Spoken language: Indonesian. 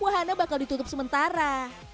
wahana bakal ditutup sementara